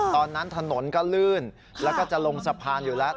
ตอนนั้นถนนก็ลื่นแล้วก็จะลงสะพานอยู่แล้ว